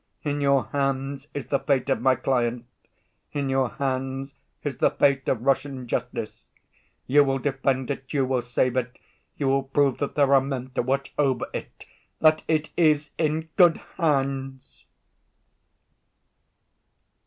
In your hands is the fate of my client, in your hands is the fate of Russian justice. You will defend it, you will save it, you will prove that there are men to watch over it, that it is in good hands!"